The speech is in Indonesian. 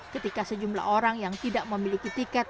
ketika sejumlah orang yang tidak memiliki tiket